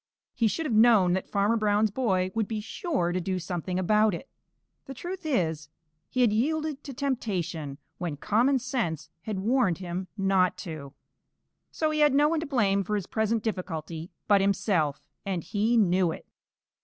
He should have known that Farmer Brown's boy would be sure to do something about it. The truth is, he had yielded to temptation when common sense had warned him not to. So he had no one to blame for his present difficulty but himself, and he knew it.